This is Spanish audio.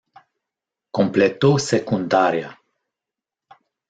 Completó secundaria.